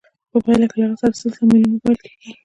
په پایله کې له هغه سره سل میلیونه پاتېږي